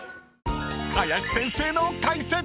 ［林先生の解説！］